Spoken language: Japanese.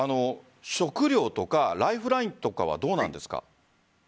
食料とかライフラインとかはどうなんですか？